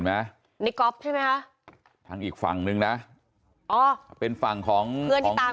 ไหมนี่ก๊อฟใช่ไหมคะทางอีกฝั่งนึงนะอ๋อเป็นฝั่งของเพื่อนที่ตาม